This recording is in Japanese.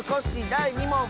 だい２もん！